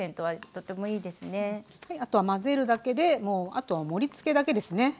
はいあとは混ぜるだけでもうあとは盛りつけだけですね。